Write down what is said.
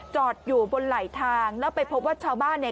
จอดอยู่บนไหลทางแล้วไปพบว่าชาวบ้านเนี่ย